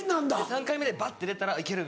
３回目でバッて出たらいける！